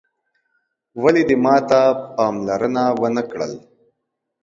ولي دې ماته پاملرنه وه نه کړل